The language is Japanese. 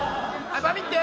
バミって！